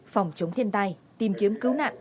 phòng chống thiên tai tìm kiếm cứu nạn